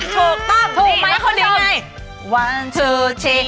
ถูกต้มถูกไหมคุณผู้ชม